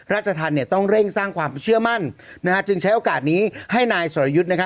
ราชธรรมต้องเร่งสร้างความเชื่อมั่นจึงใช้โอกาสนี้ให้นายสรยุทธ์